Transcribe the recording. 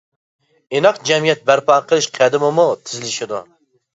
ئىناق جەمئىيەت بەرپا قىلىش قەدىمىمۇ تېزلىشىدۇ.